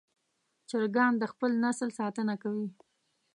چرګان د خپل نسل ساتنه کوي.